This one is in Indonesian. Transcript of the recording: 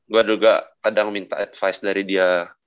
gue juga kadang minta advice dari dia